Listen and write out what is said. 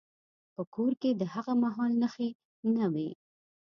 په کور کې د هغه مهال نښې نه وې.